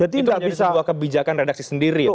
itu menjadi sebuah kebijakan redaksi sendiri